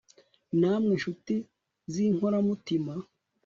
namwe nshuti z'inkora mutima